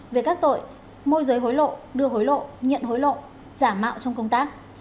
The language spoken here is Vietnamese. về các tội môi giới hối lộ đưa hối lộ nhận hối lộ giả mạo trong công tác